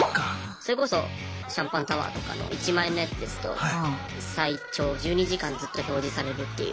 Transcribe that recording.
それこそシャンパンタワーとかの１万円のやつですと最長１２時間ずっと表示されるっていう。